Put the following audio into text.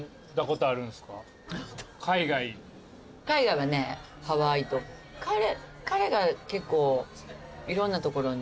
海外はねハワイと彼が結構いろんな所に。